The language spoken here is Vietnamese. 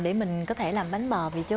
để mình có thể làm bánh bò vậy chú